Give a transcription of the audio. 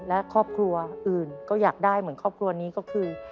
และครอบครัวอื่นก็อยากได้เหมือนครอบครัวนี้ก็คือ